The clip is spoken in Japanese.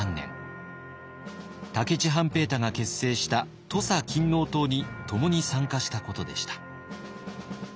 武市半平太が結成した土佐勤王党に共に参加したことでした。